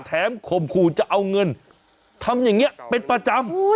ข่มขู่จะเอาเงินทำอย่างนี้เป็นประจำ